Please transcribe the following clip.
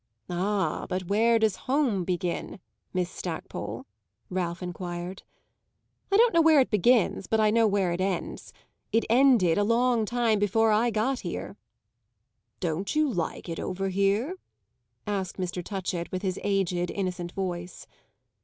"Ah, but where does home begin, Miss Stackpole?" Ralph enquired. "I don't know where it begins, but I know where it ends. It ended a long time before I got here." "Don't you like it over here?" asked Mr. Touchett with his aged, innocent voice.